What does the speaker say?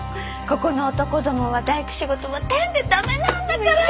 ここの男どもは大工仕事はてんで駄目なんだから。